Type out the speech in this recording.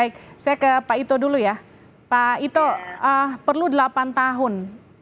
baik saya ke pak ito dulu ya pak ito perlu delapan tahun